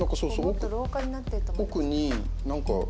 もっと廊下になってると思いました。